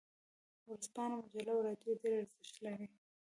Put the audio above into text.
ورځپاڼه، مجله او رادیو ډیر ارزښت لري.